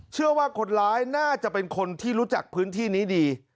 เชื่อว่าคนร้ายน่าจะเป็นคนที่รู้จักพื้นที่นี้ดี